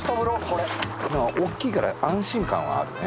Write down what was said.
これ大きいから安心感はあるね